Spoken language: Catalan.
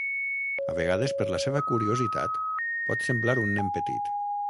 A vegades, per la seva curiositat pot semblar un nen petit.